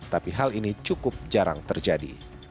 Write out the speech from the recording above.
tapi hal ini cukup jarang terjadi